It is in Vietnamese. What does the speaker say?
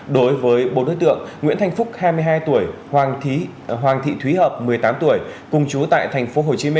đối với bốn đối tượng nguyễn thanh phúc hai mươi hai tuổi hoàng thị thúy hợp một mươi tám tuổi cùng chú tại tp hcm